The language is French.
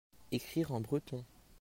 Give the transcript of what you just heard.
Écrire en breton.